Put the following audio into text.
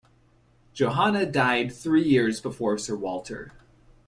Johanna died three years before Sir Walter.